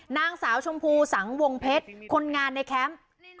นางสาวชมพูสังวงเพชรคนงานในแคมป์